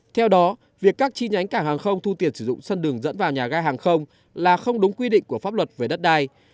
theo đó việc các chi nhánh cảng hàng không thu tiền sử dụng sân đường dẫn vào nhà ga hàng không là không đúng quy định của pháp luật về đất đai